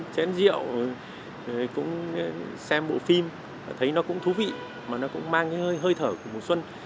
xem rượu xem bộ phim thấy nó cũng thú vị mà nó cũng mang cái hơi thở của mùa xuân